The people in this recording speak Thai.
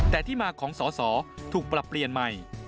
แต่ที่มาของสอสอถูกปรับเปลี่ยนใหม่